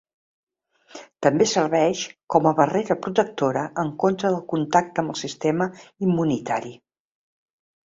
També serveix com a barrera protectora en contra del contacte amb el sistema immunitari.